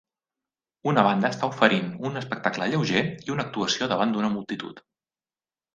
Una banda està oferint un espectacle lleuger i una actuació davant d'una multitud.